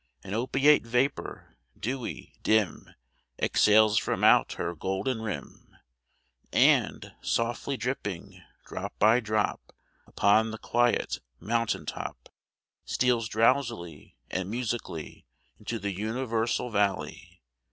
An opiate vapor, dewy, dim, Exhales from out her golden rim, And, softly dripping, drop by drop, Upon the quiet mountain top, Steals drowsily and musically Into the universal valley.